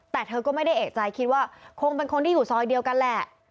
แต่เธอก็ไม่ได้เอกใจคิดว่าคงเป็นคนที่อยู่ซอยเดียวกันแหละ